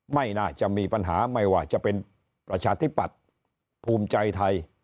ไม่น่าจะมีปัญหาไม่ว่าจะเป็นประชาธิปัตย์ภูมิใจไทย